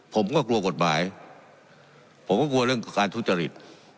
ผมก็กลัวกฎหมายผมก็กลัวเรื่องการทุจริต